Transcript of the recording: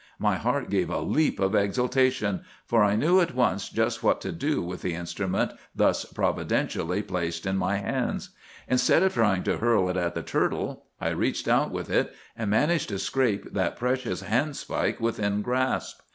My heart gave a leap of exultation, for I knew at once just what to do with the instrument thus providentially placed in my hands. Instead of trying to hurl it at the turtle, I reached out with it, and managed to scrape that precious handspike within grasp.